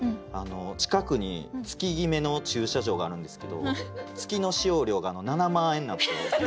近くに月ぎめの駐車場があるんですけど月の使用料が７万円なんですよ。